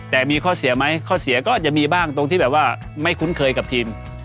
แต่มีข้อเสียไหมข้อเสียก็จะมีบ้างตรงที่แบบว่าไม่คุ้นเคยกับทีม